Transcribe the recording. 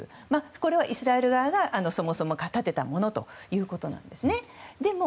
これはイスラエル側がそもそも建てたものということなんです。